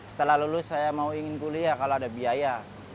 setelah lulus saya mau ingin kuliah kalau ada biaya